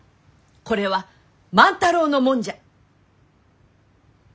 これは万太郎のもんじゃ。